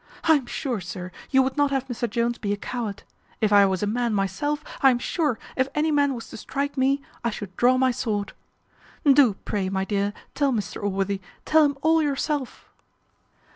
I am sure, sir, you would not have Mr Jones be a coward. If I was a man myself, I am sure, if any man was to strike me, I should draw my sword. Do pray, my dear, tell Mr Allworthy, tell him all yourself."